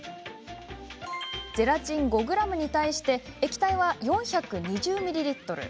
ゼラチン５ｇに対して液体は４２０ミリリットル。